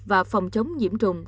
và phòng chống diễm trùng